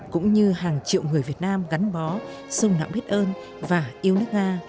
cũng như hàng triệu người việt nam gắn bó sâu nặng biết ơn và yêu nước nga